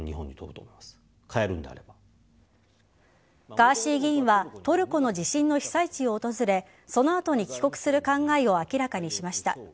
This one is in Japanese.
ガーシー議員はトルコの地震の被災地を訪れその後に帰国する考えを明らかにしました。